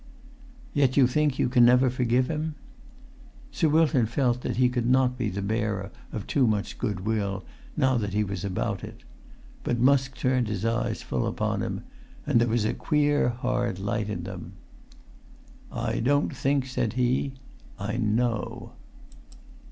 "Yet you think you can never forgive him?" Sir Wilton felt that he could not be the bearer of too much good will, now that he was about it; but Musk turned his eyes full upon him, and there was a queer hard light in them. "I don't think," said he. "I know."